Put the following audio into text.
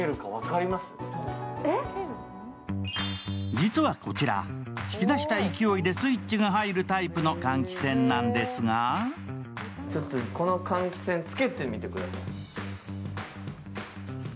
実はこちら、引き出した勢いでスイッチが入るタイプの換気扇なんですがこの換気扇、つけてみてください。